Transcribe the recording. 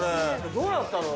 どうなったの？